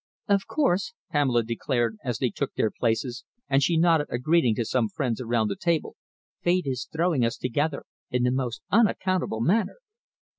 "Of course," Pamela declared, as they took their places, and she nodded a greeting to some friends around the table, "fate is throwing us together in the most unaccountable manner."